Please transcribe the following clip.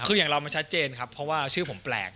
คืออย่างเรามันชัดเจนครับเพราะว่าชื่อผมแปลก